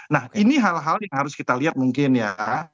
nah ini hal hal yang harus kita lihat mungkin ya